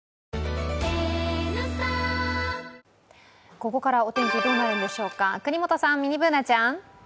ここからお天気どうなるんでしょうか國本さん、ミニＢｏｏｎａちゃん。